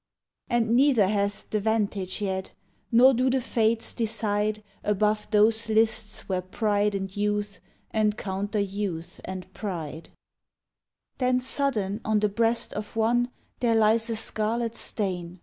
And neither hath the vantage yet, Nor do the Fates decide Above those lists where pride and youth Encounter youth and pride. BALLAD OF THE FATAL WORD Then sudden on the breast of one There lies a scarlet stain.